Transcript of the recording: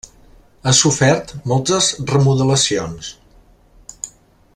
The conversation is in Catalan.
Ha sofert moltes remodelacions.